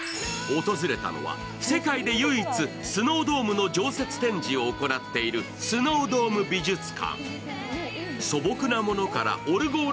訪れたのは世界で唯一スノードームの常設展示を行っているスノードーム美術館。